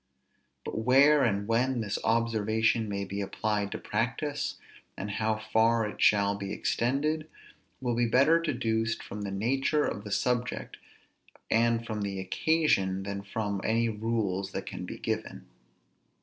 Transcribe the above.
But where and when this observation may be applied to practice, and how far it shall be extended, will be better deduced from the nature of the subject, and from the occasion, than from any rules that can be given.